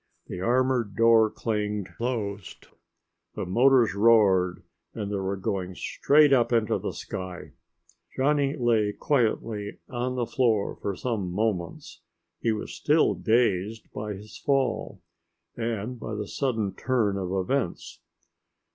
The armored door clanged closed. The motors roared and they were going straight up into the sky. Johnny lay quietly on the floor for some moments; he was still dazed by his fall and by the sudden turn of events.